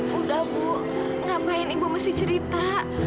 bu udah bu ngapain ibu mesti cerita